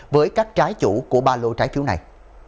với các trái chủ của ba lô trái phiếu này